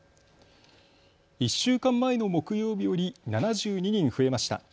１週間前の木曜日より７２人増えました。